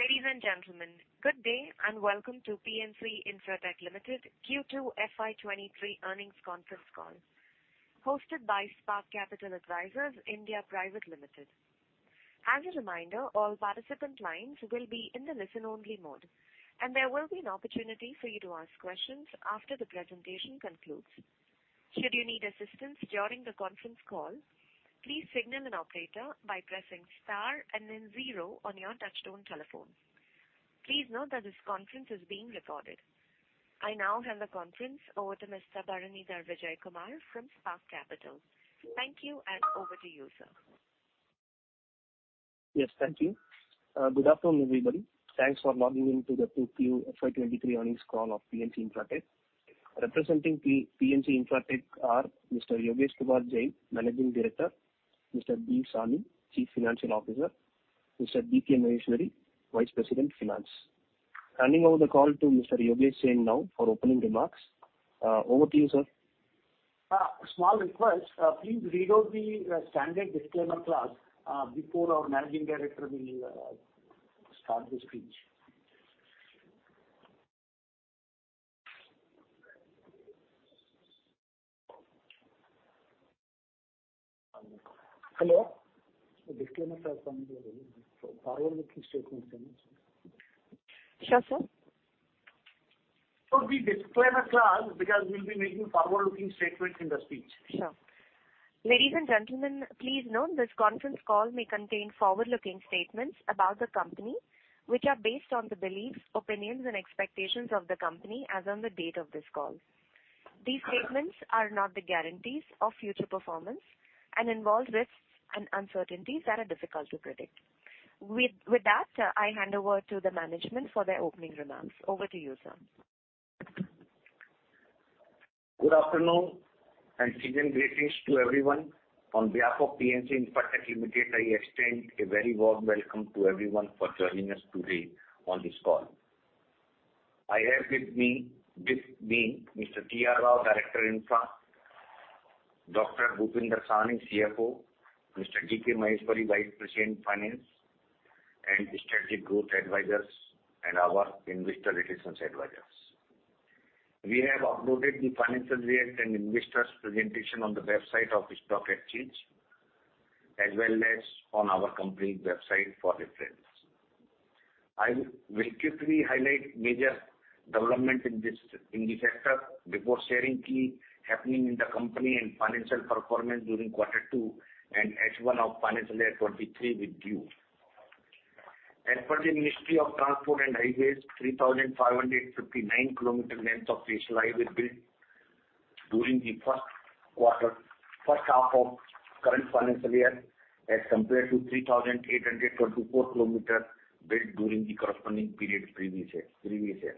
Ladies and gentlemen, good day and welcome to PNC Infratech Limited Q2 FY23 earnings conference call, hosted by Spark Capital Advisors (India) Private Limited. As a reminder, all participant lines will be in the listen-only mode, and there will be an opportunity for you to ask questions after the presentation concludes. Should you need assistance during the conference call, please signal an operator by pressing star and then zero on your touchtone telephone. Please note that this conference is being recorded. I now hand the conference over to Mr. Bharanidhar Vijayakumar from Spark Capital. Thank you, and over to you, sir. Yes, thank you. Good afternoon, everybody. Thanks for logging in to the Q2 FY23 earnings call of PNC Infratech. Representing PNC Infratech are Mr. Yogesh Kumar Jain, Managing Director, Mr. B. Sawhney, Chief Financial Officer, Mr. D.K. Maheshwari, Vice President, Finance. Handing over the call to Mr. Yogesh Jain now for opening remarks. Over to you, sir. Small request. Please read out the standard disclaimer clause before our managing director will start the speech. Hello? The disclaimer clause from the forward-looking statements and. Sure, sir. The disclaimer clause, because we'll be making forward-looking statements in the speech. Sure. Ladies and gentlemen, please note this conference call may contain forward-looking statements about the company, which are based on the beliefs, opinions and expectations of the company as on the date of this call. These statements are not the guarantees of future performance and involve risks and uncertainties that are difficult to predict. With that, I hand over to the management for their opening remarks. Over to you, sir. Good afternoon and season greetings to everyone. On behalf of PNC Infratech Limited, I extend a very warm welcome to everyone for joining us today on this call. I have with me Mr. T.R. Rao, Director Infra, Dr. Bhupinder Sawhney, CFO, Mr. D.K. Maheshwari, Vice President, Finance, and Strategic Growth Advisors and our Investor Relations Advisors. We have uploaded the financial year-end and investors presentation on the website of the stock exchange, as well as on our company website for reference. I will quickly highlight major development in the sector before sharing key happening in the company and financial performance during quarter 2 and H1 of financial year 2023 with you. As per the Ministry of Road Transport and Highways, 3,559 kilometers of national highway built during the first quarter, first half of current financial year as compared to 3,824 kilometers built during the corresponding period previous year.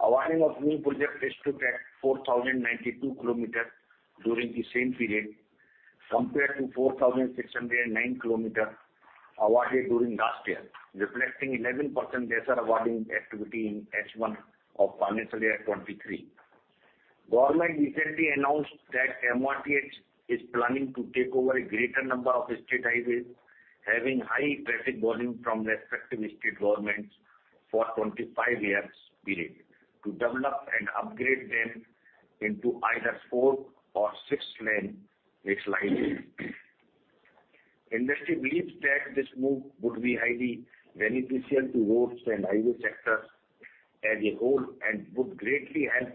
Awarding of new projects stood at 4,092 kilometers during the same period, compared to 4,609 kilometers awarded during last year, reflecting 11% lesser awarding activity in H1 of financial year 2023. Government recently announced that MoRTH is planning to take over a greater number of state highways, having high traffic volume from respective state governments for 25 years period to develop and upgrade them into either four or six lane national highway. Industry believes that this move would be highly beneficial to roads and highway sectors as a whole and would greatly help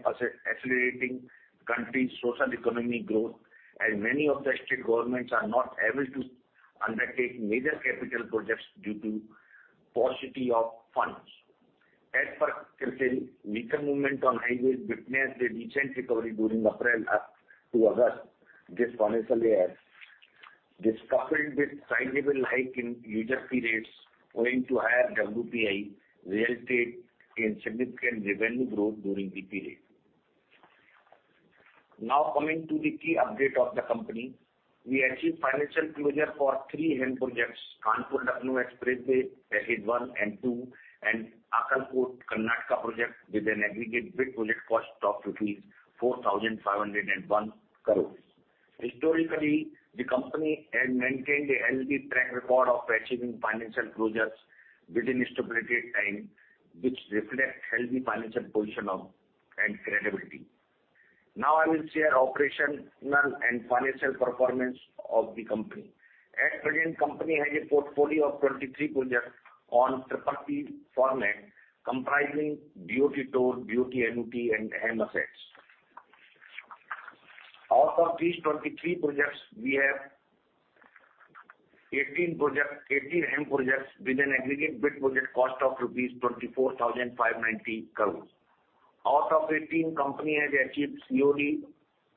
accelerating country's socio-economic growth, as many of the state governments are not able to undertake major capital projects due to paucity of funds. As per CRISIL, vehicle movement on highways witnessed a decent recovery during April up to August this financial year. This coupled with sizable hike in user fees rates owing to higher WPI resulted in significant revenue growth during the period. Now coming to the key update of the company. We achieved financial closure for three HAM projects, Kanpur-Lucknow Expressway Package 1 and 2 and Akkalkot-Karnataka project with an aggregate bid project cost of rupees 4,501 crores. Historically, the company has maintained a healthy track record of achieving financial closures within stipulated time, which reflect healthy financial position of, and credibility. Now I will share operational and financial performance of the company. At present company has a portfolio of 23 projects on PPP format comprising BOT Toll, BOT Equity, and HAM assets. Out of these 23 projects, we have 18 projects, 18 HAM projects with an aggregate bid project cost of rupees 24,590 crore. Out of 18, company has achieved COD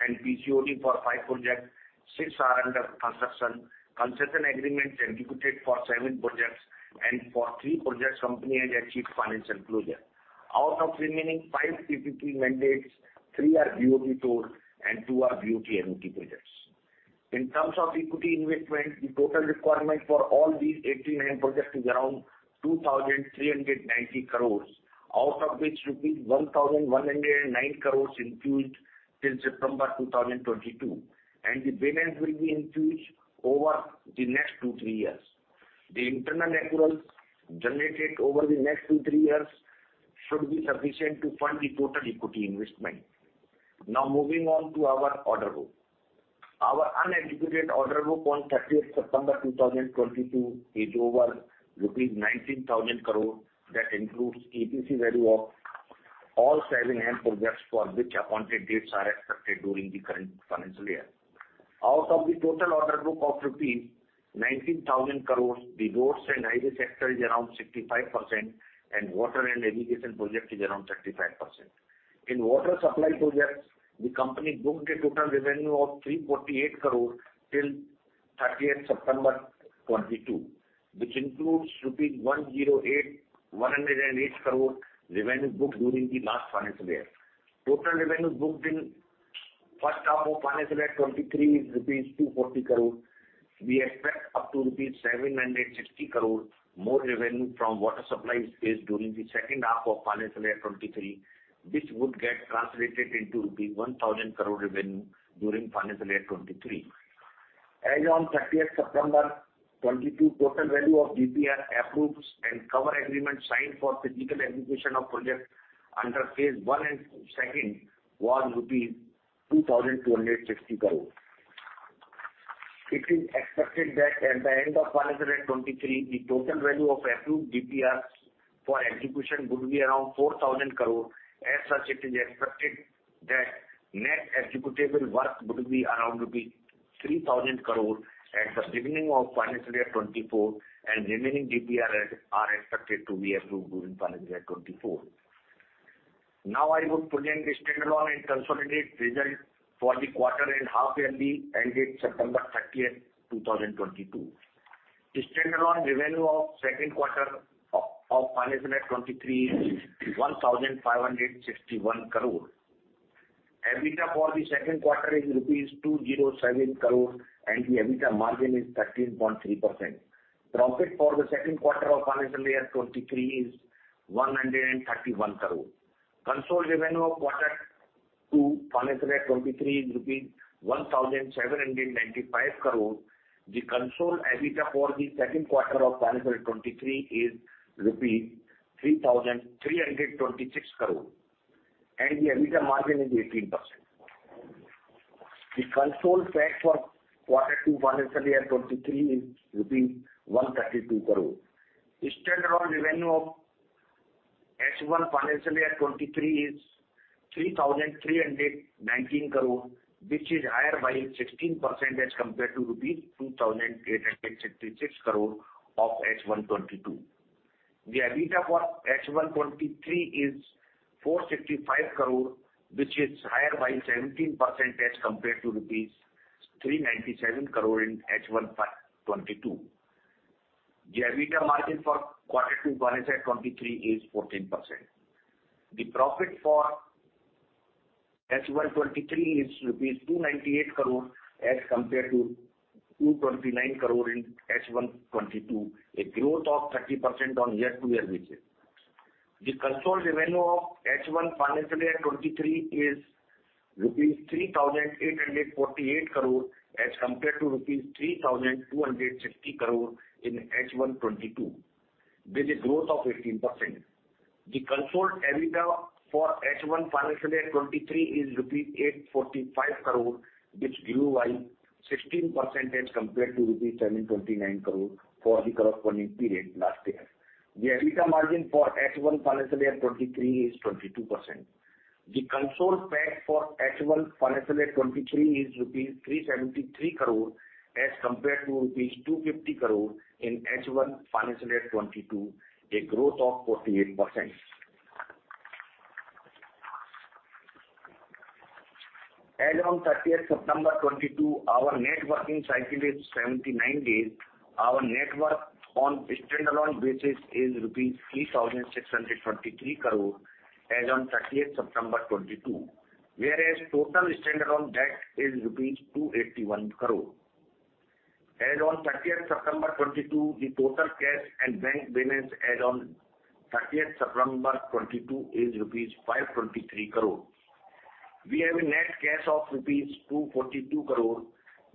and PCOD for five projects, six are under construction, concession agreements executed for seven projects, and for three projects, company has achieved financial closure. Out of remaining five PPP mandates, three are BOT Toll and two are BOT Equity projects. In terms of equity investment, the total requirement for all these 18 HAM projects is around 2,390 crores, out of which rupees 1,109 crores infused till September 2022, and the balance will be infused over the next two, three years. The internal accruals generated over the next two, three years should be sufficient to fund the total equity investment. Now moving on to our order book. Our unexecuted order book on 30th September 2022 is over rupees 19,000 crore that includes EPC value of all 7 HAM projects for which appointed dates are accepted during the current financial year. Out of the total order book of rupees 19,000 crores, the roads and highway sector is around 65% and water and irrigation project is around 35%. In water supply projects, the company booked a total revenue of 348 crore till 30 September 2022, which includes rupees 108 crore revenue booked during the last financial year. Total revenue booked in first half of financial year 2023 is INR 240 crore. We expect up to rupees 760 crore more revenue from water supply space during the second half of financial year 2023, which would get translated into rupees 1,000 crore revenue during financial year 2023. As on 30 September 2022, total value of DPR approvals and contract agreements signed for physical execution of projects under phase one and second was rupees 2,260 crore. It is expected that at the end of financial year 2023, the total value of approved DPRs for execution would be around 4,000 crore. As such, it is expected that net executable work would be around rupees 3,000 crore at the beginning of financial year 2024, and remaining DPRs are expected to be approved during financial year 2024. Now I would present the standalone and consolidated results for the quarter and half-year ended September 30, 2022. The standalone revenue of second quarter of financial year 2023 is 1,561 crore. EBITDA for the second quarter is rupees 207 crore, and the EBITDA margin is 13.3%. Profit for the second quarter of financial year 2023 is rupees 131 crore. Consolidated revenue of quarter two financial year 2023 is rupees 1,795 crore. The consolidated EBITDA for the second quarter of financial year 2023 is rupees 3,326 crore, and the EBITDA margin is 18%. The consolidated PAT for quarter two financial year 2023 is INR 132 crore. The standalone revenue of H1 financial year 2023 is 3,319 crore, which is higher by 16% as compared to rupees 2,866 crore of H1 2022. The EBITDA for H1 2023 is 455 crore, which is higher by 17% as compared to rupees 397 crore in H1 2022. The EBITDA margin for quarter two financial year 2023 is 14%. The profit for H1 2023 is 298 crore as compared to 229 crore in H1 2022, a growth of 30% on year-over-year basis. The consolidated revenue of H1 financial year 2023 is rupees 3,848 crore as compared to rupees 3,260 crore in H1 2022, with a growth of 18%. The consolidated EBITDA for H1 financial year 2023 is 845 crore, which grew by 16% as compared to 729 crore for the corresponding period last year. The EBITDA margin for H1 financial year 2023 is 22%. The consolidated PAT for H1 financial year 2023 is rupees 373 crore as compared to rupees 250 crore in H1 financial year 2022, a growth of 48%. As on thirtieth September 2022, our net working cycle is 79 days. Our net worth on standalone basis is rupees 3,643 crore as on thirtieth September 2022. Whereas total standalone debt is rupees 281 crore. As of 30 September 2022, the total cash and bank balance as of 30 September 2022 is rupees 523 crore. We have a net cash of rupees 242 crore.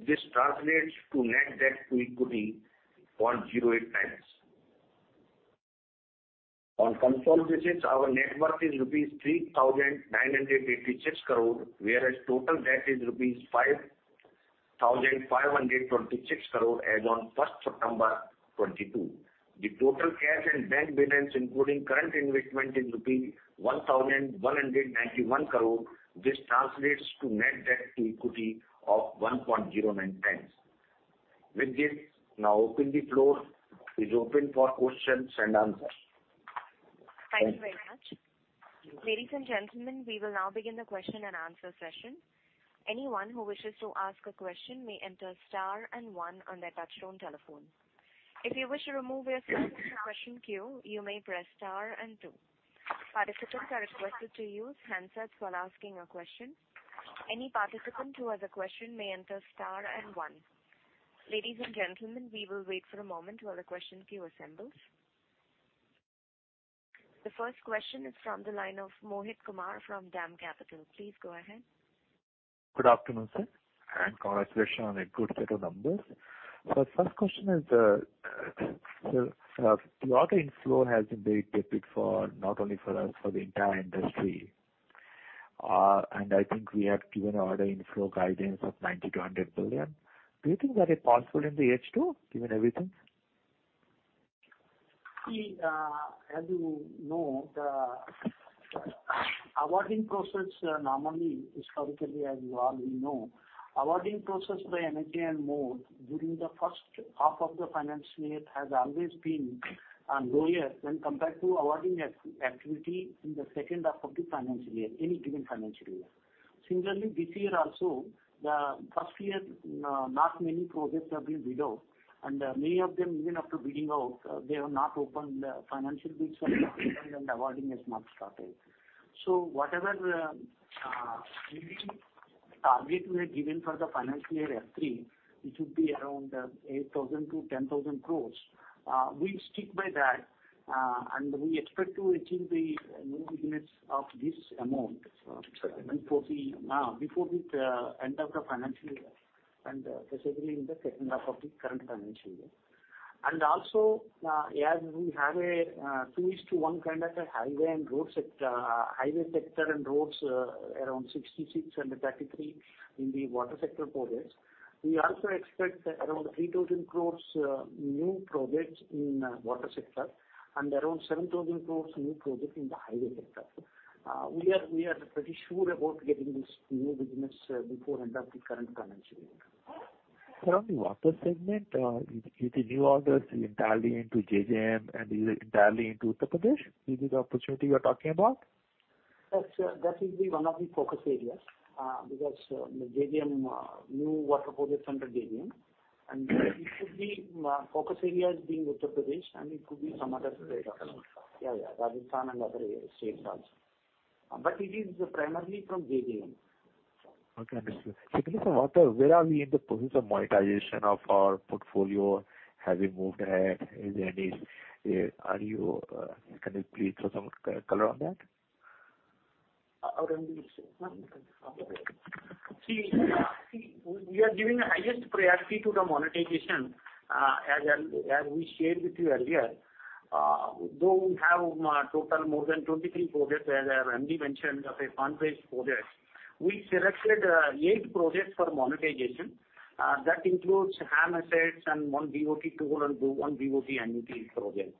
This translates to net debt to equity 0.08 times. On consolidated basis, our net worth is rupees 3,986 crore, whereas total debt is rupees 5,526 crore as of 1 September 2022. The total cash and bank balance, including current investment, is rupees 1,191 crore. This translates to net debt to equity of 1.09 times. With this, now the floor is open for questions and answers. Thank you very much. Ladies and gentlemen, we will now begin the question and answer session. Anyone who wishes to ask a question may enter star and one on their touchtone telephone. If you wish to remove yourself from the question queue, you may press star and two. Participants are requested to use handsets while asking a question. Any participant who has a question may enter star and one. Ladies and gentlemen, we will wait for a moment while the question queue assembles. The first question is from the line of Mohit Kumar from DAM Capital. Please go ahead. Good afternoon, sir, and congratulations on a good set of numbers. First question is, the order inflow has been very tepid for not only us, for the entire industry. I think we have given order inflow guidance of 90 billion-100 billion. Do you think that is possible in the H2, given everything? See, as you know, the awarding process, normally, historically, as you all know, awarding process by NHAI and MoRTH, during the first half of the financial year, has always been lower when compared to awarding activity in the second half of the financial year, any given financial year. Similarly, this year also, the first year, not many projects have been bid out, and many of them, even after bidding out, financial bids have not opened and awarding has not started. Whatever bidding target we had given for the financial year F3, which would be around 8,000-10,000 crores, we'll stick by that. We expect to achieve the new business of this amount before the end of the financial year, specifically in the second half of the current financial year. As we have a 2:1 kind of a highway sector and roads, around 66% and 33% in the water sector projects. We also expect around 3,000 crore new projects in water sector and around 7,000 crore new project in the highway sector. We are pretty sure about getting this new business before end of the current financial year. Sir, on the water segment, with the new orders entirely into JJM and entirely into Uttar Pradesh, is this the opportunity you are talking about? That will be one of the focus areas, because the JJM new water projects under JJM. It could be focus areas being Uttar Pradesh, and it could be some other state around. Yeah, yeah, Rajasthan and other areas, states also. It is primarily from JJM. Okay, understood. Speaking of water, where are we in the process of monetization of our portfolio? Have we moved ahead? Can you please throw some color on that? Our MD, sir. Sure. See, we are giving the highest priority to the monetization, as we shared with you earlier. Though we have total more than 23 projects, as our MD mentioned, of fund-based projects, we selected eight projects for monetization. That includes HAM assets and one BOT toll and one BOT annuity project.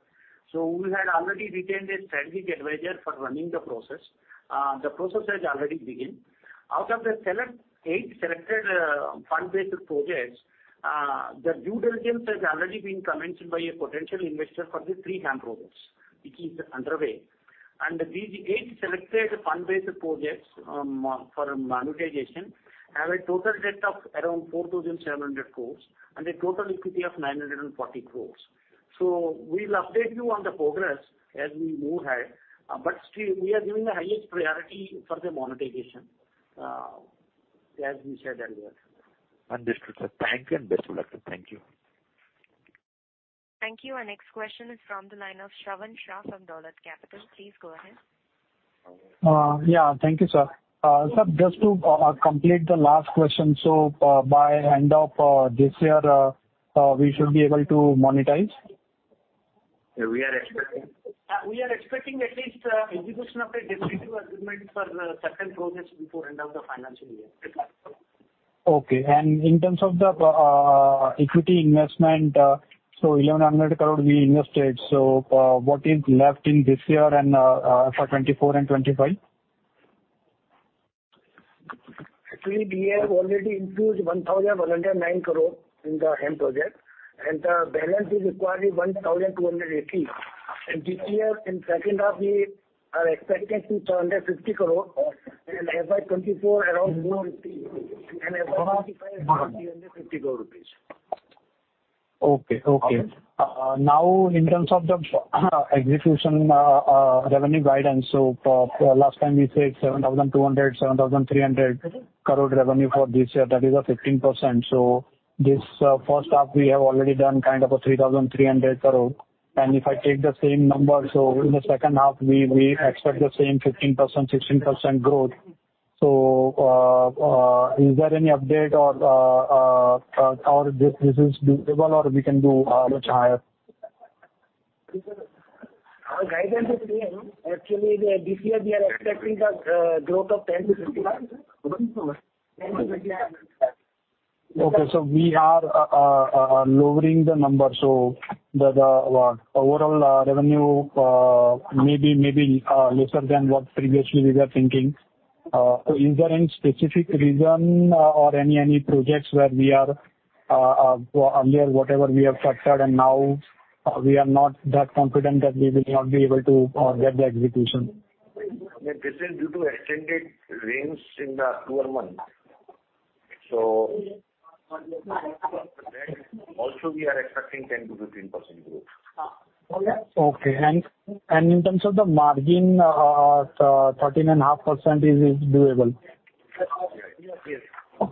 We had already retained a strategic advisor for running the process. The process has already begun. Out of the eight selected fund-based projects, the due diligence has already been commenced by a potential investor for the three HAM projects, which is underway. These eight selected fund-based projects for monetization have a total debt of around 4,700 crores and a total equity of 940 crores. We'll update you on the progress as we move ahead. Still, we are giving the highest priority for the monetization, as we said earlier. Understood, sir. Thank you and best of luck, sir. Thank you. Thank you. Our next question is from the line of Shravan Shah from Dolat Capital. Please go ahead. Yeah. Thank you, sir. Sir, just to complete the last question. By end of this year, we should be able to monetize? We are expecting at least execution of a definitive agreement for certain projects before end of the financial year. Okay. In terms of the equity investment, so INR 1,100 crore we invested. What is left in this year and for 2024 and 2025? Actually, we have already infused 1,109 crore in the HAM project, and the balance is required 1,280. This year, in second half, we are expecting 250 crore. In FY 2024, around INR 450 crore, and in FY 2025, 450 crore rupees. Okay. Okay. Okay? Now in terms of the execution, revenue guidance. For last time you said 7,200-7,300 crore revenue for this year. That is a 15%. This first half we have already done kind of a 3,300 crore. If I take the same number, in the second half we expect the same 15%-16% growth. Is there any update or this is doable or we can do much higher? Our guidance is clear. Actually, this year we are expecting the growth of 10%-15%. Okay. We are lowering the numbers, so the overall revenue may be lesser than what previously we were thinking. Is there any specific reason or any projects where we are earlier whatever we have factored and now we are not that confident that we will not be able to get the execution? This is due to extended rains in the monsoon month. Apart from that, also we are expecting 10%-15% growth. Okay. In terms of the margin, 13.5%, is this doable? Yes. Yes. Yes.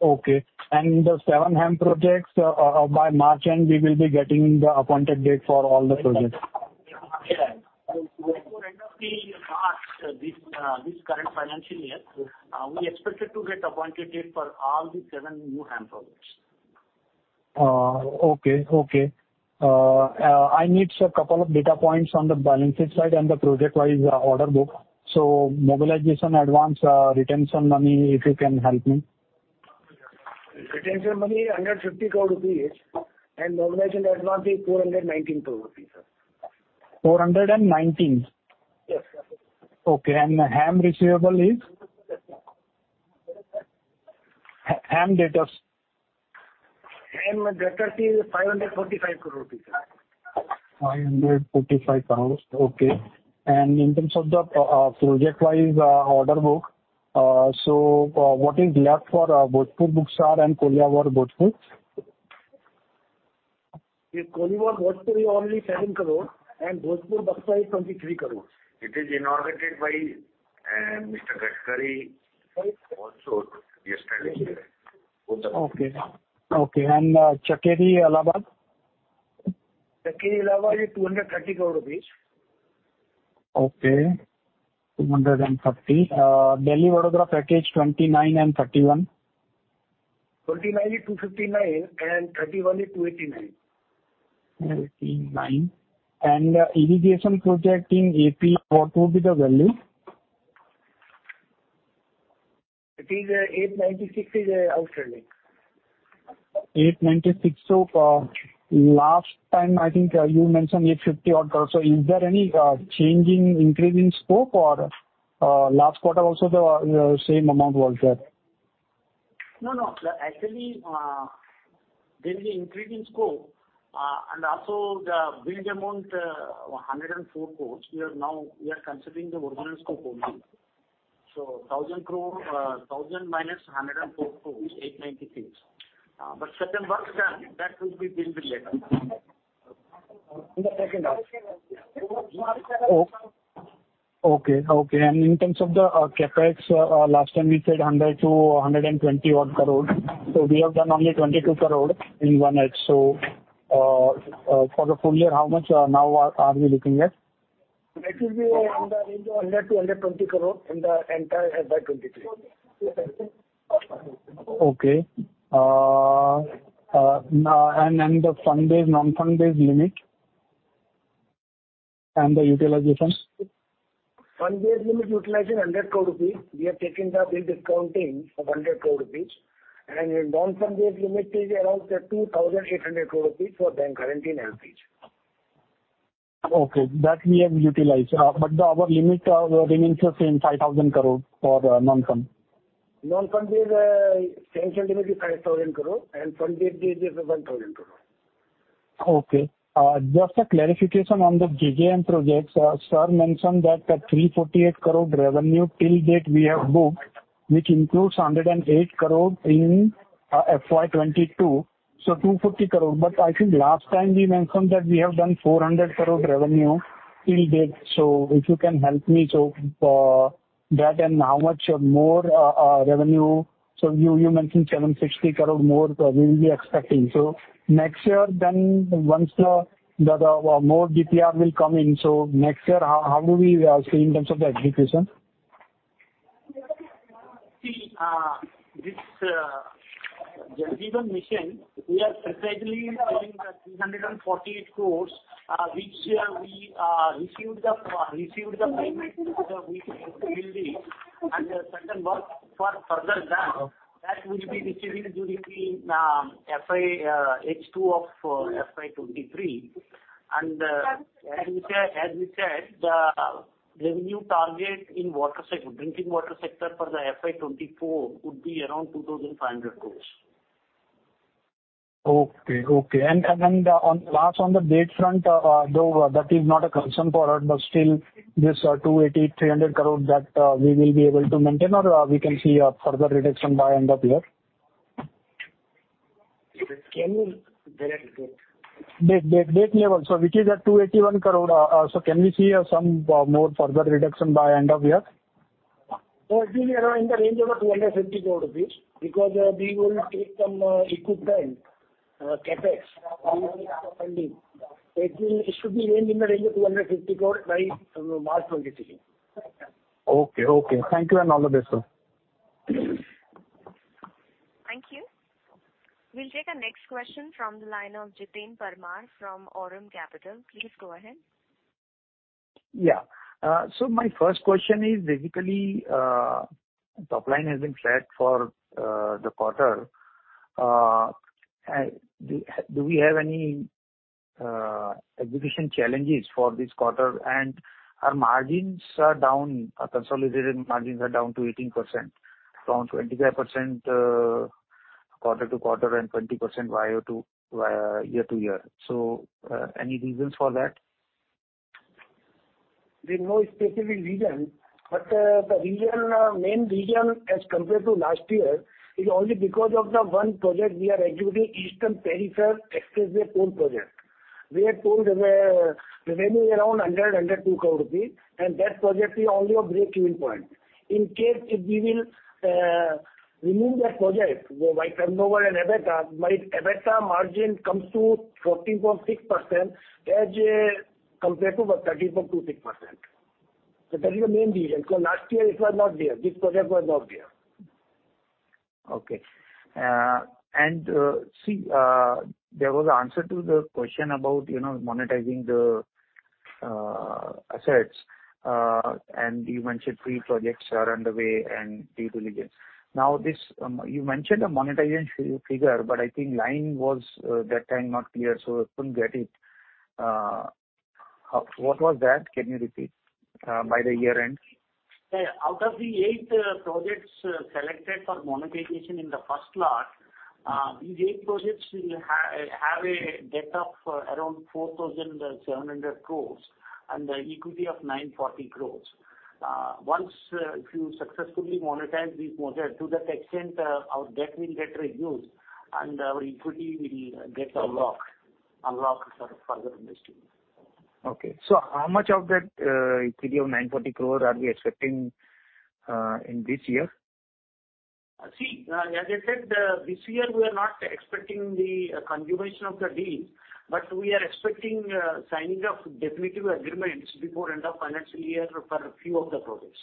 Okay. The seven HAM projects, by March end, we will be getting the appointed date for all the projects. By the end of March, this current financial year, we expected to get appointed date for all the seven new HAM projects. Okay. I need, sir, a couple of data points on the balance sheet side and the project-wise order book. Mobilization advance, retention money, if you can help me. Retention money 150 crore rupees, and mobilization advance is 419 crore rupees. 419? Yes, sir. Okay. HAM receivable is? HAM debtors. HAM debtors is INR 545 crore. INR 545 crores. Okay. In terms of the project-wise order book, what is the ask for Bhojpur-Buxar and Koilwar-Bhojpur? Koilwar-Bhojpur is only 7 crore and Bhojpur-Buxar is 23 crore. It is inaugurated by Mr. Gadkari also yesterday. Okay. Chakeri-Allahabad? Chakeri-Allahabad is INR 230 crore. Okay. 230. Delhi-Vadodara Package 29 and 31. Twenty-nine is two fifty-nine and thirty-one is two eighty-nine. 89. Irrigation project in AP, what would be the value? It is 896 is the outstanding. 896. Last time I think you mentioned INR 850 odd crores. Is there any change in increase in scope, or last quarter also the same amount was there? No, no. Actually, there is an increase in scope, and also the billed amount, 104 crore. We are considering the original scope only. So 1,000 crore minus 104 crore is 896. But certain works are done. That will be billed later. In the second half. Oh, okay. Okay. In terms of the CapEx, last time we said 100 crore-120-odd crore. We have done only 22 crore in one eighth. For the full year, how much now are we looking at? That will be in the range of 100 crore-120 crore in the entire FY 2023. Okay. Now the fund-based, non-fund-based limit and the utilization? Fund-based limit utilization 100 crore rupees. We have taken the bill discounting of 100 crore rupees. Non-fund-based limit is around 2,800 crore rupees for bank guarantee and LCs. Okay, that we have utilized. Our limit remains the same, 5,000 crore for non-fund. Non-fund based limit is 5,000 crore and fund-based is 8,000 crore. Okay. Just a clarification on the JJM projects. Sir mentioned that 348 crore revenue till date we have booked, which includes 108 crore in FY 2022, so 250 crore. I think last time we mentioned that we have done 400 crore revenue till date. If you can help me, that and how much more revenue. You mentioned 760 crore more we will be expecting. Next year then once the more DPR will come in, next year, how do we see in terms of the execution? See, this Jal Jeevan Mission, we are precisely telling the 348 crore, which we received the payment. We have to build it. The certain work for further done, that will be received during FY H2 of FY 2023. As we said, the revenue target in water sector, drinking water sector for the FY 2024 would be around 2,500 crore. On the debt front, though that is not a concern for us, but still this 280 crore-300 crore that we will be able to maintain or we can see a further reduction by end of year? Can you elaborate? Debt level. Which is at 281 crore. Can we see some more further reduction by end of year? It will be around in the range of 250 crore because we will take some equipment CapEx funding. It should be within the range of INR 250 crore by, you know, March 2023. Okay, okay. Thank you and all the best, sir. Thank you. We'll take our next question from the line of Jiten Parmar from Aurum Capital. Please go ahead. Yeah. My first question is basically, top line has been flat for the quarter. Do we have any execution challenges for this quarter? Our margins are down. Our consolidated margins are down to 18% from 25%, quarter-over-quarter and 20% year-over-year. Any reasons for that? There's no specific reason, but the reason, main reason as compared to last year is only because of the one project we are executing, Eastern Peripheral Expressway toll project. We had told the revenue around 102 crore rupees, and that project is only a break-even point. In case if we will remove that project, my turnover and EBITDA, my EBITDA margin comes to 14.6% as compared to the 13.26%. That is the main reason, because last year it was not there. This project was not there. There was an answer to the question about, you know, monetizing the assets, and you mentioned three projects are on the way and details against. Now this, you mentioned a monetization figure, but I think line was that time not clear, so I couldn't get it. What was that? Can you repeat by the year-end? Yeah. Out of the eight projects selected for monetization in the first lot, these eight projects will have a debt of around 4,700 crores and the equity of 940 crores. Once, if you successfully monetize these projects, to that extent, our debt will get reduced and our equity will get unlocked for further investing. Okay. How much of that equity of 940 crore are we expecting in this year? See, as I said, this year we are not expecting the consummation of the deal, but we are expecting signing of definitive agreements before end of financial year for a few of the projects.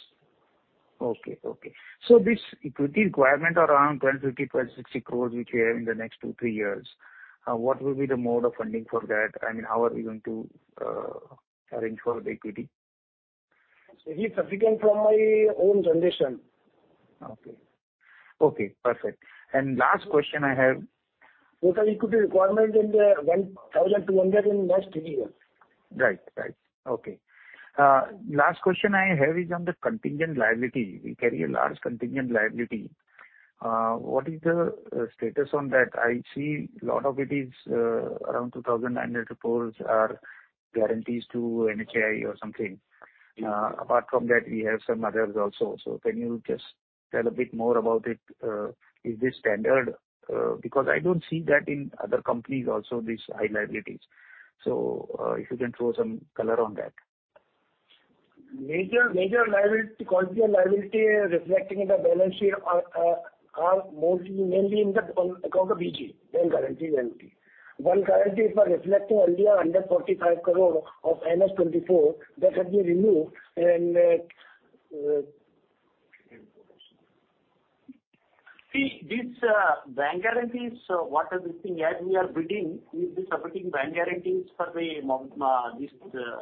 This equity requirement around 1,050-1,060 crores, which you have in the next two, three years, what will be the mode of funding for that? I mean, how are we going to arrange for the equity? It's sufficient from my own generation. Okay. Okay, perfect. Last question I have- Total equity requirement of 1,200 crore in next three years. Right. Okay. Last question I have is on the contingent liability. We carry a large contingent liability. What is the status on that? I see a lot of it is around 2,900 crores rupees are guarantees to NHAI or something. Apart from that, we have some others also. Can you just tell a bit more about it? Is this standard? Because I don't see that in other companies also, these high liabilities. If you can throw some color on that. Major corporate liability reflecting in the balance sheet are mostly mainly in the account of BG, bank guarantee liability. One guarantee is for reflecting only INR 145 crore of annuity 2024 that has been removed. See, these bank guarantees, what are the thing? As we are bidding, we'll be submitting bank guarantees for the this-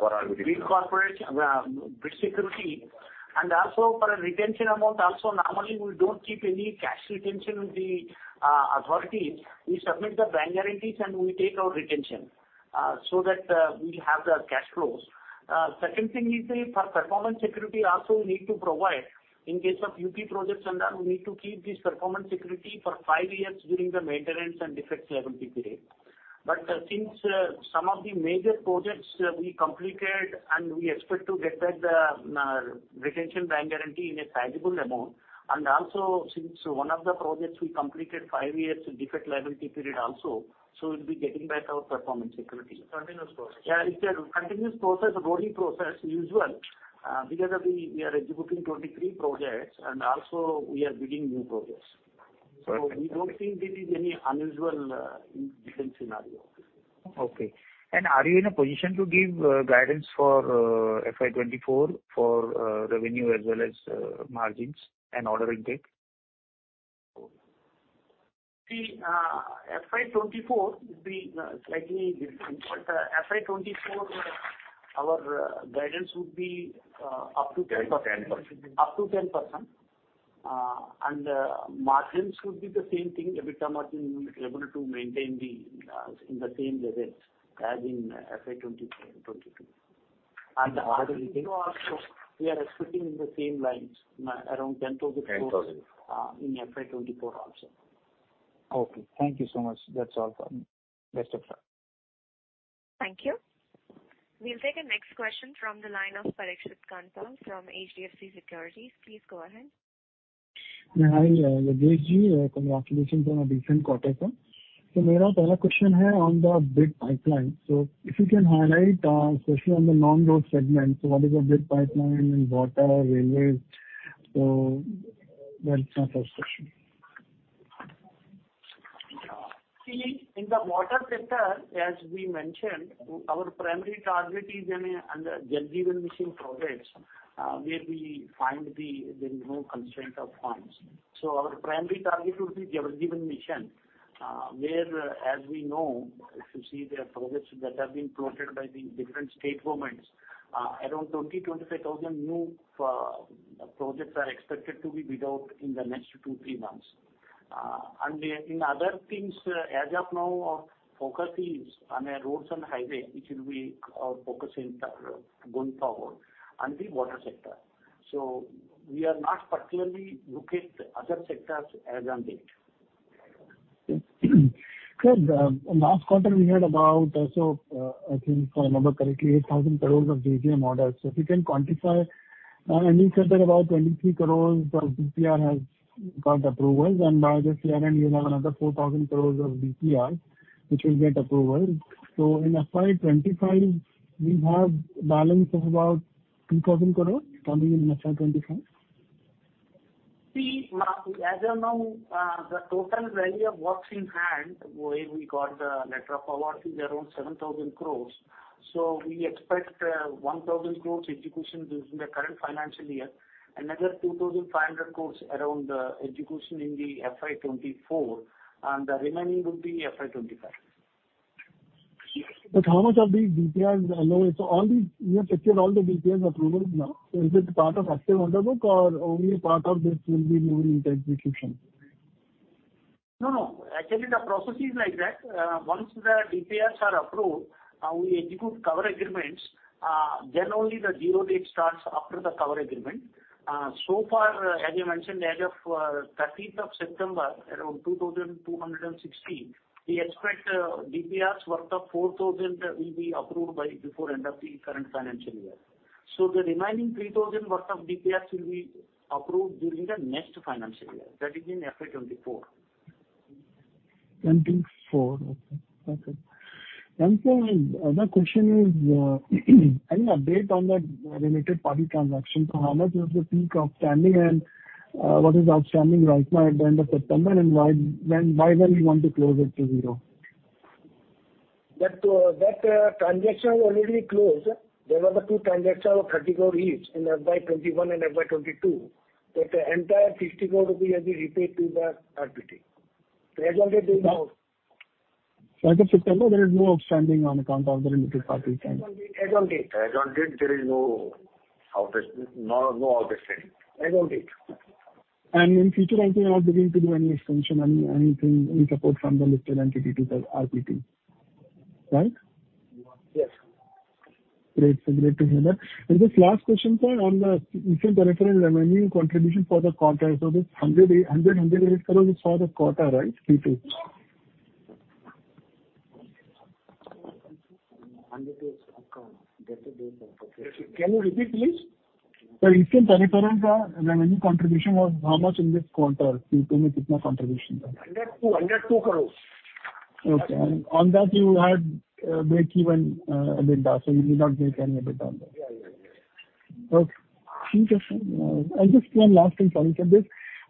For our bidding. Bridge corporation, bid security, and also for a retention amount. Also, normally, we don't keep any cash retention with the authority. We submit the bank guarantees and we take our retention, so that we have the cash flows. Second thing is, for performance security also we need to provide. In case of UP projects and that, we need to keep this performance security for five years during the maintenance and defect liability period. Since some of the major projects we completed and we expect to get back the retention bank guarantee in a sizable amount. Also, since one of the projects we completed five years defect liability period also. We'll be getting back our performance security. Continuous process. Yeah, it's a continuous process, a rolling process, usual, because we are executing 23 projects and also we are bidding new projects. Perfect. We don't think this is any unusual, different scenario. Okay. Are you in a position to give guidance for FY24 for revenue as well as margins and order intake? See, FY 2024 will be slightly different. FY 2024, our guidance would be up to 10%. 10%. Up to 10%. Margins would be the same thing. EBITDA margin, we will be able to maintain them in the same levels as in FY 2022. The order intake? Order intake also, we are expecting in the same lines, around 10,000 crore. 10,000. In FY 2024 also. Okay, thank you so much. That's all from me. Best of luck. Thank you. We'll take the next question from the line of Parikshit Kandpal from HDFC Securities. Please go ahead. Hi, Yogeshji. Congratulations on a decent quarter. See, in the water sector, as we mentioned, our primary target is in, under Jal Jeevan Mission projects, where we find the no constraint of funds. Our primary target would be Jal Jeevan Mission, where, as we know, if you see the projects that have been floated by the different state governments, around 20-25 thousand new projects are expected to be bid out in the next 2-3 months. In other things, as of now, our focus is on roads and highway, which will be our focus in the going forward and the water sector. We are not particularly looking at other sectors as on date. Sir, last quarter we heard about also, I think if I remember correctly, 8,000 crore of JJM orders. If you can quantify You said that about 23 crores of DPR has got approvals and by this year end, you'll have another 4,000 crores of DPR which will get approval. In FY 25, we have balance of about 2,000 crores coming in FY 25? See, as you know, the total value of works in hand, where we got the letter of award is around 7,000 crores. We expect 1,000 crores execution during the current financial year. Another 2,500 crores around the execution in the FY 2024, and the remaining will be FY 2025. How much of the DPR is allowed? All these, you have secured all the DPR approvals now. Is it part of active order book or only a part of this will be moving into execution? No, no. Actually, the process is like that. Once the DPRs are approved, we execute concession agreements, then only the zero date starts after the concession agreement. So far, as I mentioned, as of thirteenth of September, around 2,260, we expect DPRs worth of 4,000 will be approved by before end of the current financial year. The remaining 3,000 worth of DPRs will be approved during the next financial year. That is in FY 2024. 24. Okay. One thing is, my question is, any update on that related party transaction? How much is the peak outstanding and, what is outstanding right now at the end of September, and why, when, by when you want to close it to zero? That transaction already closed. There were the two transactions of 30 crore each in FY 2021 and FY 2022, that the entire 60 crore rupees has been repaid to the RPT. As on date there is no- As of September, there is no outstanding on account of the related party transaction. As on date, there is no outstanding. In future also you're not looking to do any extension, any support from the related entity to the RPT. Right? Yes. Great. Great to hear that. Just last question, sir. On the Eastern Peripheral revenue contribution for the quarter. This 108 crore is for the quarter, right? Q2. Can you repeat, please? The Eastern Peripheral Expressway, the revenue contribution was how much in this quarter? Q2 main kitna contribution tha? Hundred two, hundred two crores. Okay. On that, you had breakeven EBITDA, so you did not make any EBITDA on that. Yeah, yeah. Okay. Few questions. Just one last thing, sorry for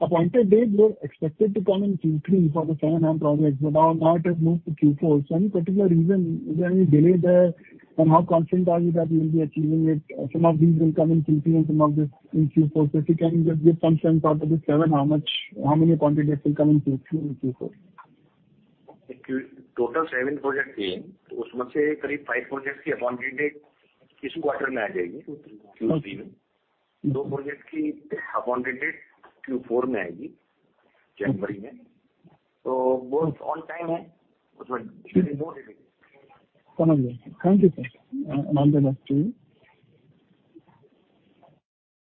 this. Appointed date were expected to come in Q3 for the 7 HAM projects, but now it has moved to Q4. Any particular reason? Is there any delay there? How confident are you that you will be achieving it? Some of these will come in Q3 and some of these in Q4. If you can just give some sense out of the seven, how much, how many appointed dates will come in Q3 and Q4? Total 7 projects the. Hmm. Usmein se karib 5 projects ki appointed date is quarter mein aa jayegi. Q3 mein. Hmm. Do project ki appointed date Q4 mein aayegi. January mein. Hmm. Both on time hai. Usme delay nahi hai. Understood. Thank you, sir. Ananda next to you.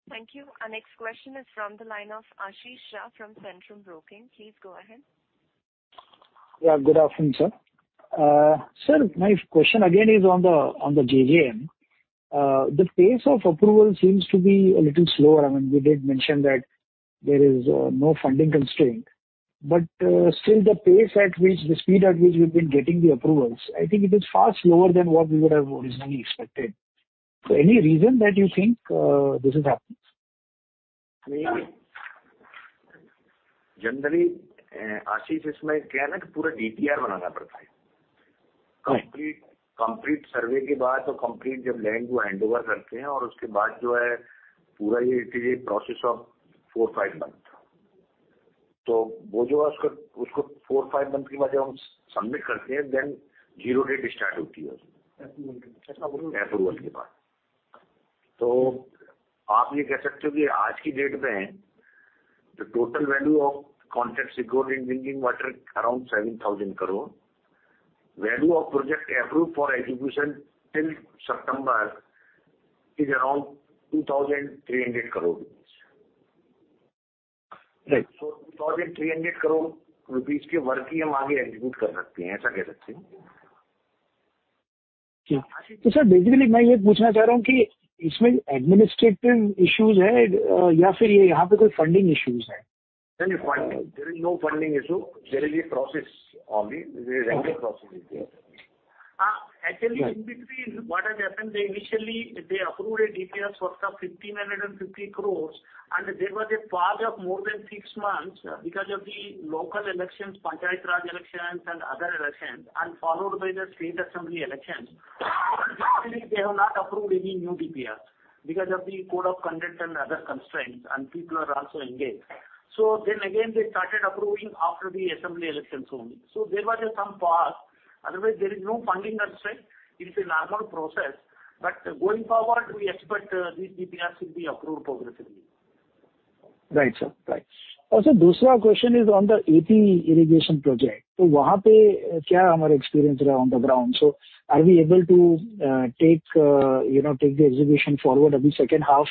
Thank you. Our next question is from the line of Ashish Shah from Centrum Broking. Please go ahead. Yeah, good afternoon, sir. Sir, my question again is on the JJM. The pace of approval seems to be a little slower. I mean, you did mention that there is no funding constraint, but still the pace at which, the speed at which you've been getting the approvals, I think it is far slower than what we would have originally expected. Any reason that you think this is happening? Generally, Ashish, isme kya hai na ki pura DPR banana padta hai. Right. Complete survey ke baad complete jab land handover karte hai aur uske baad jo hai pura ye, it is a process of 4-5 months. Woh jo hai usko 4-5 months ke baad jab hum submit karte hai then zero date start hoti hai uski. Approval ke baad. Aap ye keh sakte ho ki aaj ki date mein the total value of contracts secured in drinking water around 7,000 crore. Value of project approved for execution till September is around 2,300 crore rupees. Right. 2,300 crore rupees ke work hi hum aage execute kar sakte hai, aisa keh sakte hai. Ji. Sir, basically main ye puchna chah raha hoon ki isme administrative issues hai ya phir yaha pe koi funding issues hai? Sir, ye funding, there is no funding issue. There is a process only. Right. There is regular process is there. Right In between what had happened, they initially approved DPRs worth 1,550 crores, and there was a pause of more than six months because of the local elections, Panchayati Raj elections, and other elections, followed by the state assembly elections. Actually, they have not approved any new DPRs because of the code of conduct and other constraints, and people are also engaged. They started approving after the assembly elections only. There was some pause. Otherwise, there is no funding constraint. It is a normal process. Going forward, we expect these DPRs will be approved progressively. Right, sir. Sir, dusra question is on the AP Irrigation project. Toh waha pe kya hamara experience raha on the ground? Are we able to take you know take the execution forward? I mean second half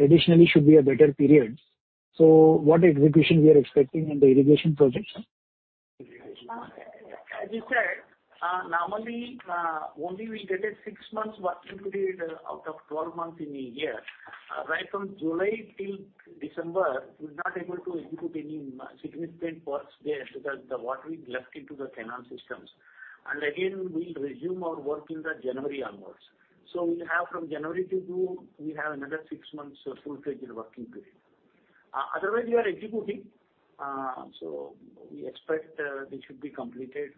additionally should be a better period. What execution are we expecting on the irrigation projects, sir? As you said, normally, only we get a six months working period out of 12 months in a year. Right from July till December, we're not able to execute any significant works there because the water is left into the canal systems. We'll resume our work in January onwards. We'll have from January to June, we have another 6 months of full-fledged working period. Otherwise, we are executing, so we expect this should be completed,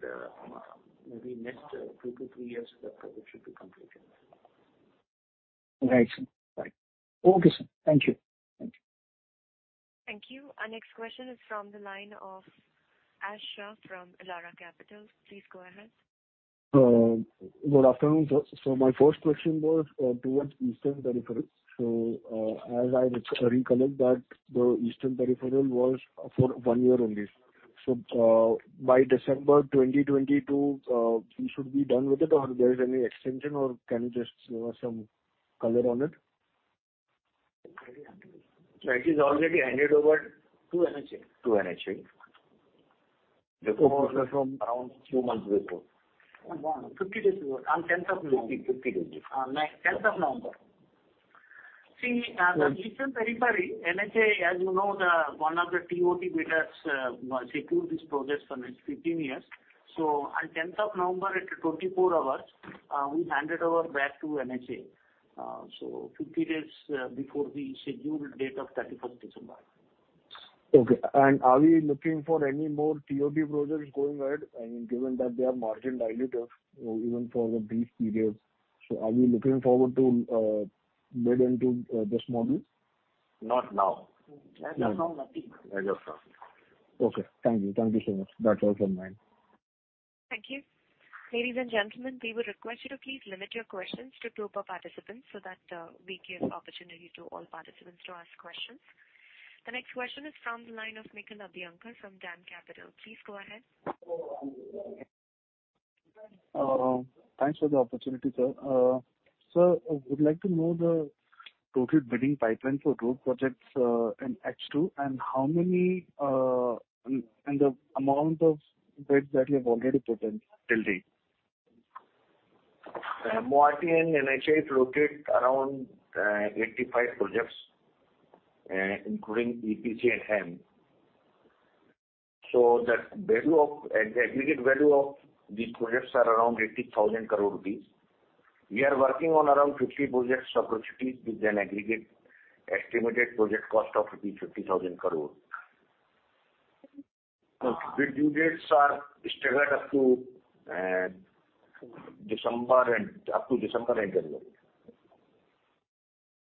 maybe next two to three years, the project should be completed. Right. Okay, sir. Thank you. Thank you. Our next question is from the line of Ashish Shah from Elara Capital. Please go ahead. Good afternoon, sir. My first question was towards Eastern Peripheral. As I recollect that the Eastern Peripheral was for one year only. By December 2022, we should be done with it, or there is any extension, or can you just throw us some color on it? It is already handed over to NHAI. To NHAI. Before- Around two months before. 50 days ago. On 10th of November. 50 days ago. On ninth, tenth of November. See, Yes. The Eastern Peripheral Expressway, NHAI, as you know, the one of the TOT bidders, secured this project for next 15 years. On tenth of November, at 24 hours, we handed over back to NHAI, so 50 days before the scheduled date of thirty-first December. Okay. Are we looking for any more TOT projects going ahead? I mean, given that they are margin dilutive, even for the brief period. Are we looking forward to bid into this model? Not now. As of now, nothing. As of now, no. Okay. Thank you. Thank you so much. That's all from my end. Thank you. Ladies and gentlemen, we would request you to please limit your questions to two per participant so that we give opportunity to all participants to ask questions. The next question is from the line of Nikhil Abhyankar from DAM Capital. Please go ahead. Thanks for the opportunity, sir. Sir, I would like to know the total bidding pipeline for road projects in H2, and how many and the amount of bids that you have already put in till date. MoRTH and NHAI floated around 85 projects including EPC and HAM. The value of the aggregate value of these projects are around 80,000 crore rupees. We are working on around 50 projects opportunities with an aggregate estimated project cost of rupees 50,000 crore. Okay. Bid due dates are staggered up to December and January.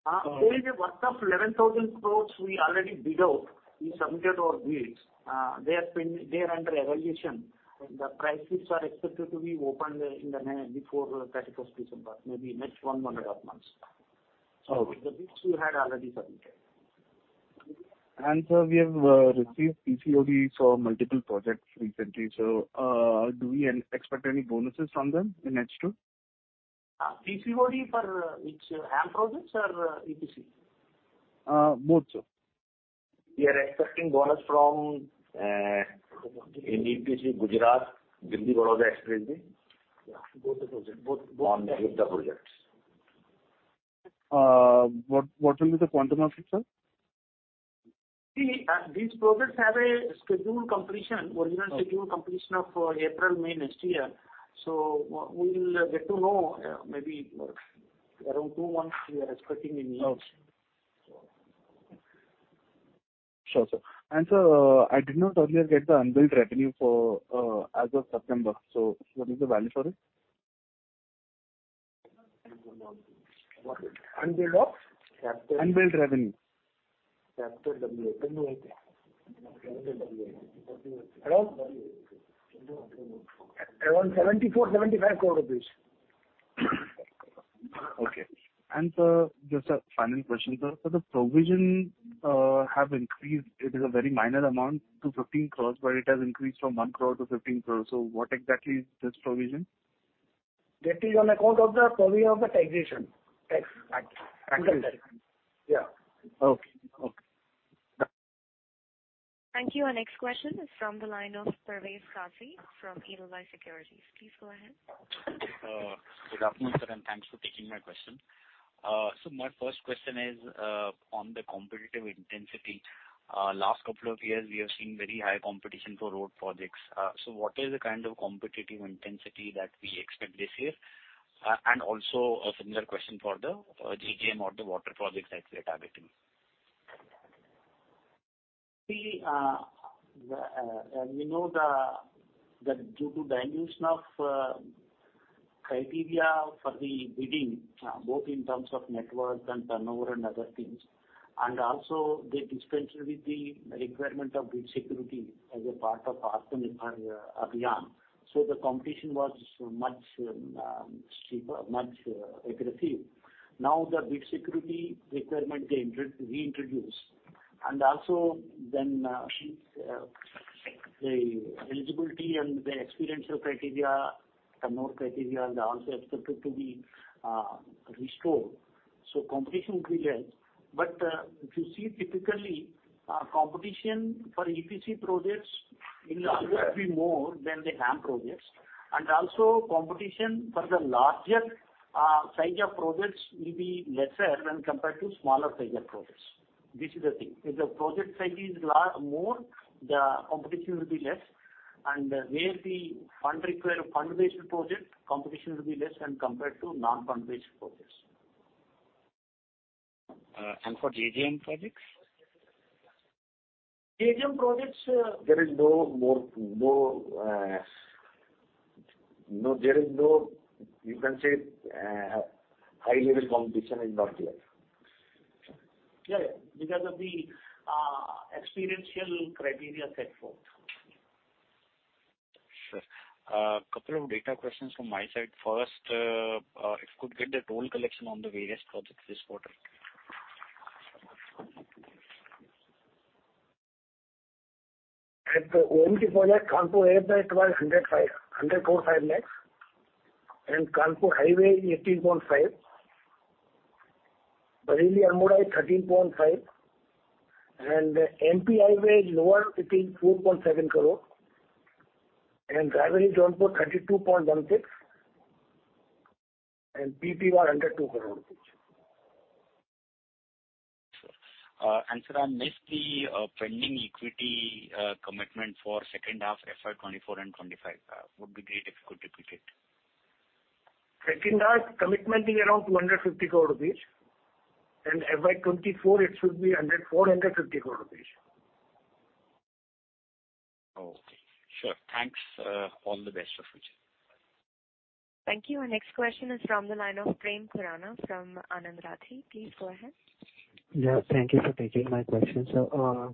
Uh- There is a work of 11,000 crore we already bid out. We submitted our bids. They are under evaluation. The price bids are expected to be opened before thirty-first December, maybe next one month or half months. Okay. The bids we had already submitted. Sir, we have received PCOD for multiple projects recently. Do we expect any bonuses from them in H2? PCOD for which? HAM projects or EPC? Both, sir. We are expecting bonus from in EPC Gujarat, Delhi-Vadodara Expressway. Yeah, both the projects. On both the projects. What will be the quantum of it, sir? See, these projects have a scheduled completion, original scheduled completion of April, May next year. We will get to know, maybe around two months we are expecting in March. Sure, sir. Sir, I did not earlier get the unbilled revenue for as of September. What is the value for it? Unbilled of? Unbilled revenue. Around 74-75 crore rupees. Okay. Sir, just a final question, sir. The provision have increased. It is a very minor amount to 15 crores, but it has increased from 1 crore to 15 crores. What exactly is this provision? That is on account of the provision of the taxation. Tax, tax. Tax. Yeah. Okay. Okay. Thank you. Our next question is from the line of Parikshit Kandpal from Edelweiss Securities. Please go ahead. Good afternoon, sir, and thanks for taking my question. My first question is on the competitive intensity. Last couple of years, we have seen very high competition for road projects. What is the kind of competitive intensity that we expect this year? Also a similar question for the JJM or the water projects that we are targeting. See, you know, due to dilution of criteria for the bidding, both in terms of network and turnover and other things, and also they dispensed with the requirement of bid security as a part of Aatmanirbhar Bharat Abhiyan. The competition was much steeper, much aggressive. Now, the bid security requirement they reintroduced. Also then, the eligibility and the experience criteria, turnover criteria, and also expected to be restored. Competition will be there. If you see typically, competition for EPC projects will always be more than the HAM projects. Also competition for the larger size of projects will be lesser when compared to smaller size of projects. This is the thing. If the project size is more, the competition will be less. Where the funds require fund-based projects, competition will be less when compared to non-fund-based projects. For JJM projects? JJM projects. There is no, you can say, high level competition is not there. Yeah, yeah. Because of the experiential criteria set forth. Sure. Couple of data questions from my side. First, if could get the toll collection on the various projects this quarter. At the OMT project, Kanpur Airport was 105, 104.5 lakhs. Kanpur-Ayodhya is INR 18.5 crore. Bareilly-Almora is 13.5 crore. MP Highway is lower, it is INR 4.7 crore. Rabari Jodhpur, 32.16 crore. PP one, under 2 crore rupees. Sure. Sir, I missed the pending equity commitment for second half FY 2024 and 2025. Would be great if you could repeat it. Second half commitment is around 250 crore rupees. FY 2024 it should be under 450 crore rupees. Oh, okay. Sure. Thanks, all the best for future. Thank you. Our next question is from the line of Prem Khurana from Anand Rathi. Please go ahead. Yeah, thank you for taking my question, sir.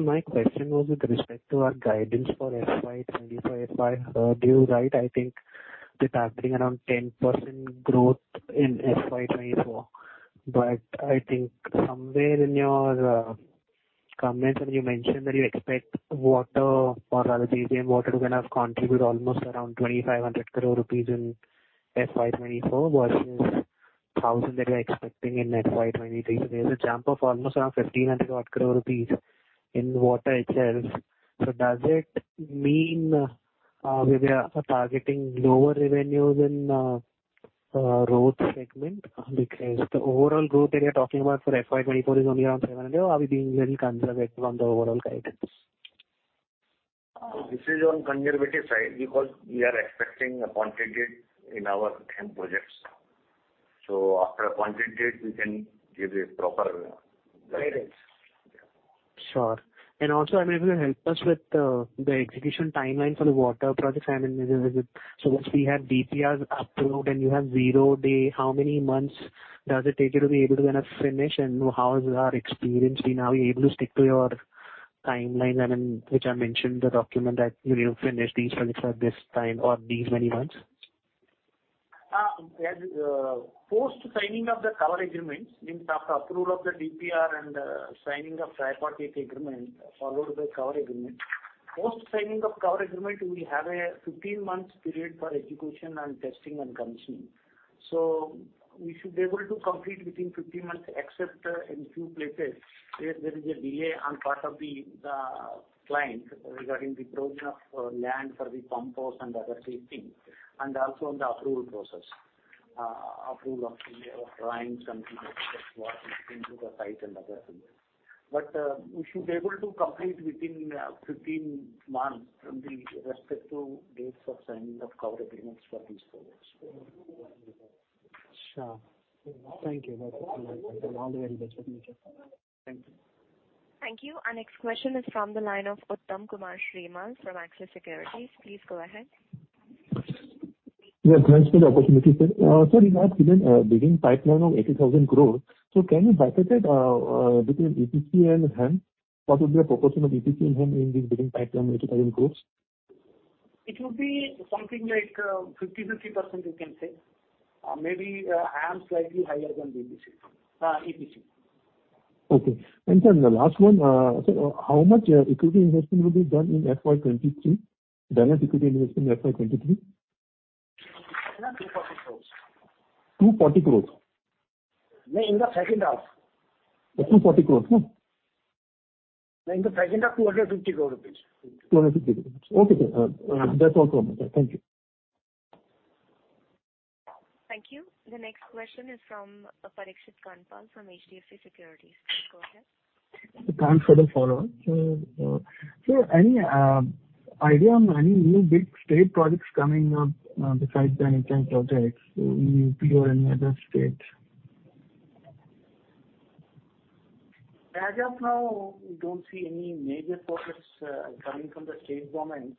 My question was with respect to our guidance for FY 2024. If I heard you right, I think we're targeting around 10% growth in FY 2024. I think somewhere in your comments when you mentioned that you expect water or rather JJM water to kind of contribute almost around 2,500 crore rupees in FY 2024 versus 1,000 crore that you're expecting in FY 2023. There's a jump of almost around 1,500 crore rupees in water itself. Does it mean we are targeting lower revenues in road segment? Because the overall growth that you're talking about for FY 2024 is only around 7%. Are we being little conservative on the overall guidance? This is on conservative side because we are expecting a COD in our 10 projects. After COD, we can give a proper guidance. Sure. I mean, if you can help us with the execution timeline for the water projects, I mean, is it, so once we have DPRs approved and you have zero day, how many months does it take you to be able to kind of finish and how is our experience been? Are we able to stick to your timelines, I mean, which are mentioned in the document that you finish these projects at this time or these many months? Post signing of the concession agreements, means after approval of the DPR and signing of tripartite agreement followed by concession agreement. Post signing of concession agreement, we have a 15-month period for execution and testing and commissioning. We should be able to complete within 15 months, except in few places where there is a delay on the part of the client regarding the provision of land for the project and other such things, and also on the approval process. Approval of the drawings and things like that, work on the site and other things. We should be able to complete within 15 months from the respective dates of signing of concession agreements for these projects. Sure. Thank you. All the very best for future. Thank you. Our next question is from the line of Uttam Kumar Srimal from Axis Securities. Please go ahead. Yeah, thanks for the opportunity, sir. You have given a bidding pipeline of 80,000 crore. Can you bifurcate between EPC and HAM? What would be a proportion of EPC and HAM in this bidding pipeline of INR 80,000 crore? It would be something like, 50-50% you can say. Maybe, HAM slightly higher than the EPC. Okay. Sir, the last one. How much equity investment will be done in FY 2023? Direct equity investment in FY 2023? 240 crores. 240 crore? In the second half. 240 crore, no? In the second half, 250 crore. 250 crore. Okay, sir. That's all from me, sir. Thank you. Thank you. The next question is from Parikshit Kandpal from HDFC Securities. Please go ahead. Thanks for the follow-up. Any idea on any new big state projects coming up, besides the NHAI projects in UP or any other state? As of now, we don't see any major projects coming from the state governments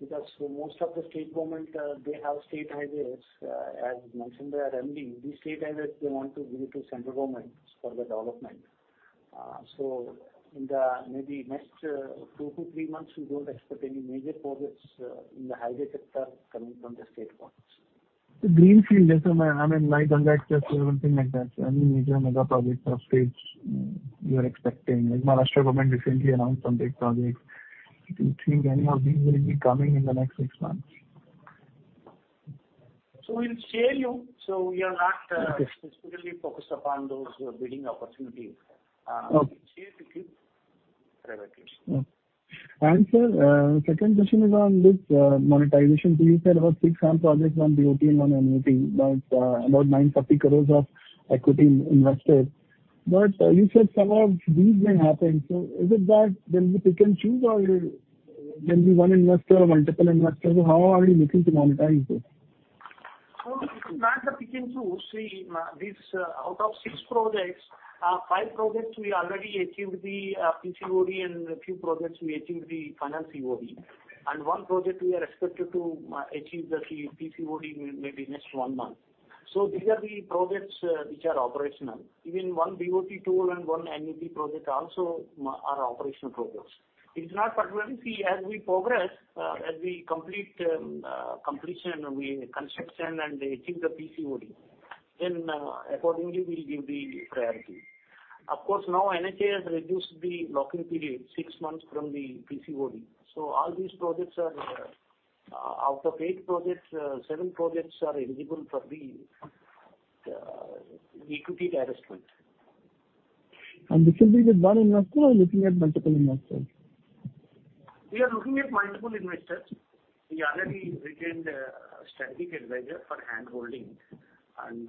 because for most of the state government, they have state highways. As mentioned by our MD, these state highways they want to give it to central government for the development. In the maybe next two to three months, we don't expect any major projects in the highway sector coming from the state governments. Greenfield, as in, I mean, like Ganga Expressway or anything like that. Any major mega projects of states, you are expecting. Like Maharashtra government recently announced some big projects. Do you think any of these will be coming in the next six months? We'll share you. We are not. Okay. specifically focused upon those bidding opportunities. Okay. We'll share with you priorities. Sir, second question is on this, monetization. You said about six HAM projects on BOT and on NTP, but about 950 crores of equity invested. You said some of these may happen. Is it that there'll be pick and choose or there'll be one investor or multiple investors? How are you looking to monetize this? It is not a pick and choose. See, this out of six projects, five projects we already achieved the PCOD and a few projects we achieved the financial COD. One project we are expected to achieve the PCOD maybe next one month. These are the projects which are operational. Even one BOT toll and one HAM project also are operational projects. It is not permanent. See, as we progress, as we complete construction and achieve the PCOD, then accordingly we'll give the priority. Of course now NHAI has reduced the locking period six months from the PCOD. All these projects are out of eight projects, seven projects are eligible for the equity divestment. This will be with one investor or looking at multiple investors? We are looking at multiple investors. We already retained a strategic advisor for handholding and,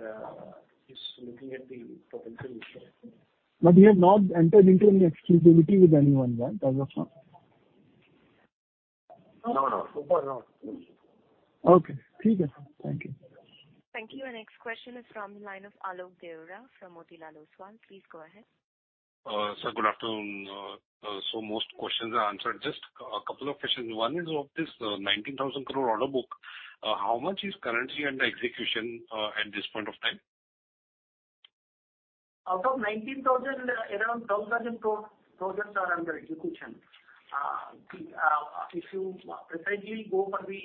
he's looking at the potential investor. You have not entered into any exclusivity with anyone yet, as of now? No, no. So far, no. Okay. Thank you. Thank you. Our next question is from the line of Alok Deora from Motilal Oswal. Please go ahead. Sir, good afternoon. Most questions are answered. Just a couple of questions. One is of this 19,000 crore order book. How much is currently under execution, at this point of time? Out of 19,000, around 12,000 crore projects are under execution. If you precisely go for the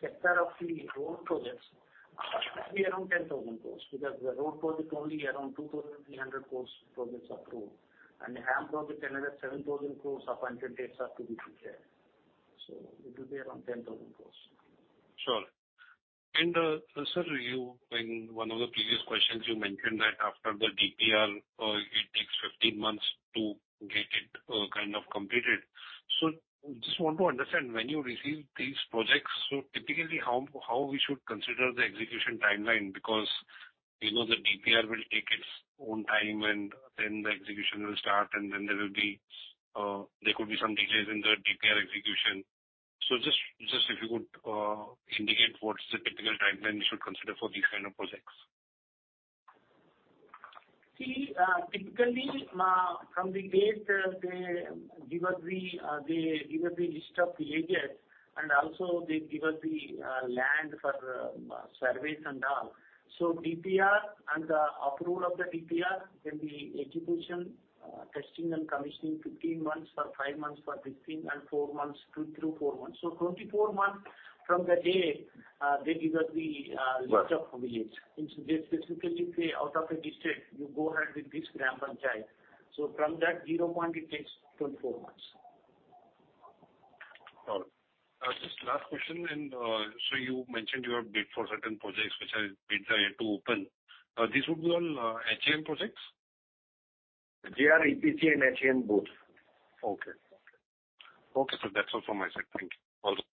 sector of the road projects, it'll be around 10,000 crore. Because the road project only around 2,300 crore projects approved. The HAM project, another 7,000 crore of projects are to be taken care. It will be around 10,000 crore. Sure. Sir, you, in one of the previous questions you mentioned that after the DPR, it takes 15 months to get it kind of completed. Just want to understand when you receive these projects, so typically how we should consider the execution timeline? Because you know the DPR will take its own time and then the execution will start and then there could be some delays in the DPR execution. Just if you could indicate what's the typical timeline we should consider for these kind of projects. Typically, from the date they give us the list of the agents and also they give us the land for surveys and all. DPR and the approval of the DPR, then the execution, testing and commissioning 15 months or 5 months or 15 and 4 months, 2-4 months. 24 months from the day they give us the Right. List of villages. Since they specifically say out of a district you go ahead with this gram panchayat. From that zero point it takes 24 months. All right. Just last question and so you mentioned you have bid for certain projects which bids are yet to open. These would be all HAM projects? They are EPC and HAM both. Okay. Okay. Okay. That's all from my side. Thank you. All the best.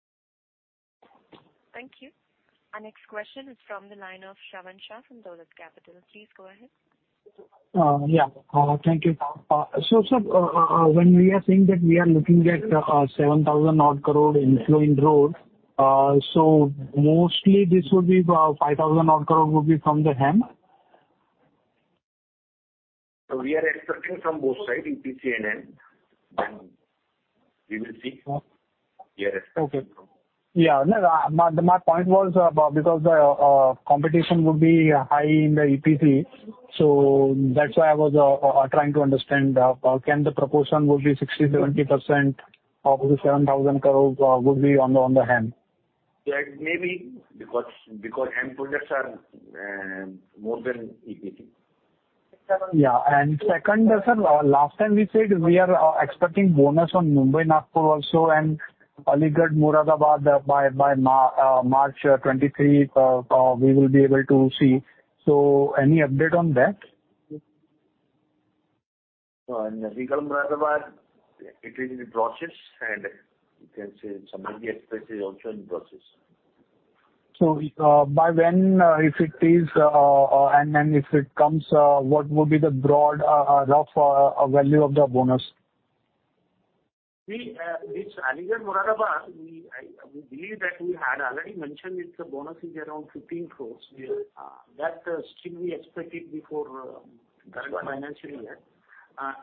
Thank you. Our next question is from the line of Shravan Shah from Dolat Capital. Please go ahead. Yeah. Thank you. Sir, when we are saying that we are looking at 7,000-odd crore inflow in road, so mostly this would be 5,000-odd crore would be from the HAM? We are expecting from both sides, EPC and HAM. We will see. Okay. Yes. Yeah. No, my point was because the competition would be high in the EPC. That's why I was trying to understand, can the proportion would be 60%-70% of the 7,000 crore would be on the HAM? Yeah. Maybe because HAM projects are more than EPC. Yeah. Second, sir, last time we said we are expecting bonus on Mumbai-Nagpur also and Aligarh-Moradabad by March 2023 we will be able to see. Any update on that? Aligarh-Moradabad, it is in the process and you can say Samruddhi Expressway is also in the process. By when, if it is, and if it comes, what would be the broad, rough value of the bonus? This Aligarh-Moradabad, we believe that we had already mentioned its bonus is around 15 crore. We are at that still we expected before. Right. Current financial year.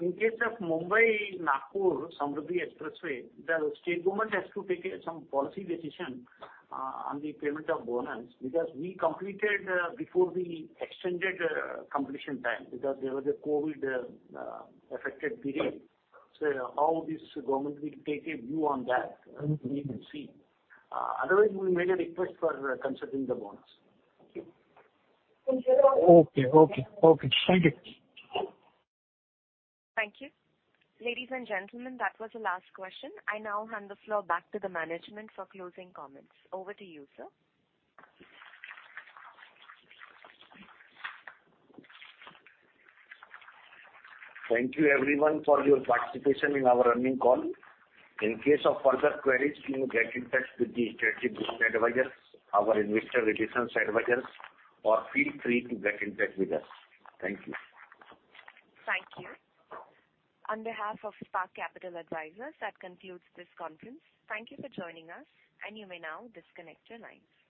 In case of Mumbai-Nagpur Samruddhi Expressway, the state government has to take some policy decision on the payment of bonus, because we completed before the extended completion time because there was a COVID affected period. How this government will take a view on that? Mm-hmm. We will see. Otherwise we made a request for considering the bonus. Okay. Okay. Thank you. Thank you. Ladies and gentlemen, that was the last question. I now hand the floor back to the management for closing comments. Over to you, sir. Thank you everyone for your participation in our earnings call. In case of further queries, please get in touch with Strategic Growth Advisors, our investor relations advisors, or feel free to get in touch with us. Thank you. Thank you. On behalf of Spark Capital Advisors, that concludes this conference. Thank you for joining us, and you may now disconnect your lines.